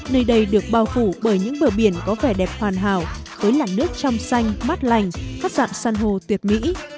nơi đây được bao phủ bởi những bờ biển có vẻ đẹp hoàn hảo khối lạnh nước trong xanh mát lành các dạng săn hồ tuyệt mỹ